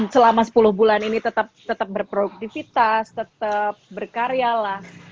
selama sepuluh bulan ini tetap berproduktifitas tetap berkarya lah